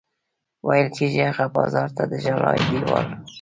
ویل کېږي هغه بازار د ژړا دېوال.